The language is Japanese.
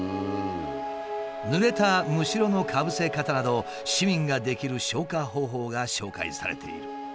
ぬれたむしろのかぶせ方など市民ができる消火方法が紹介されている。